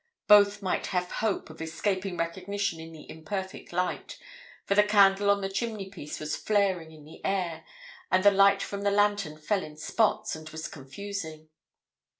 Both might have hope of escaping recognition in the imperfect light, for the candle on the chimneypiece was flaring in the air, and the light from the lantern fell in spots, and was confusing.